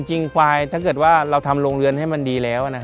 จริงควายถ้าเกิดว่าเราทำโรงเรือนให้มันดีแล้ว